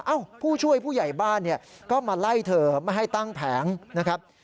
ผู้ช่วยผู้ใหญ่บ้านเนี่ยก็มาไล่เธอไม่ให้ตั้งแผงนะครับ